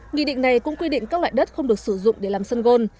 nghị định này cũng quy định các loại đất không được sử dụng để làm sân gôn